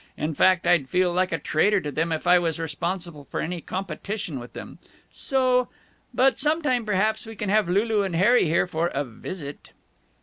In fact, I'd feel like a traitor to them if I was responsible for any competition with them. So But some time, perhaps, we can have Lulu and Harry here for a visit."